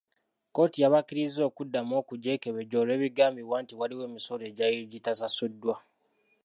Kkooti yabakkiriza okuddamu okugyekebejja olw’ebigambibwa nti waliwo emisolo egyali gitasasuddwa.